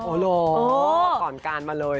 โอ้โหเอาขอนการมาเลย